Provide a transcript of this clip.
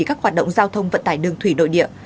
các hoạt động giao thông vận tải đường thủy nội địa